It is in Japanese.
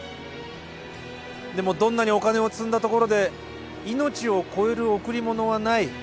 でもどんなにお金を積んだところで命を超える贈り物はない。